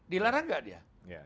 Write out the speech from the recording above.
dilarang tidak dia